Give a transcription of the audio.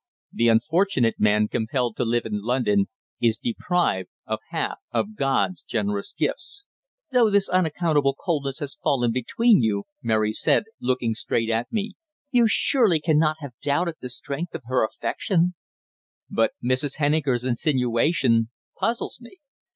The unfortunate man compelled to live in London is deprived of half of God's generous gifts. "Though this unaccountable coldness has fallen between you," Mary said, looking straight at me, "you surely cannot have doubted the strength of her affection?" "But Mrs. Henniker's insinuation puzzles me.